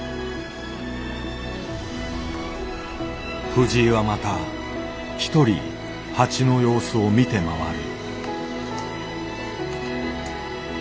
藤井はまたひとり蜂の様子を見て回る。